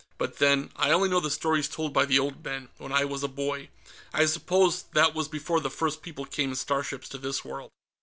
But then, I only know the stories told by the old men, when I was a boy. I suppose that was before the first people came in starships to this world."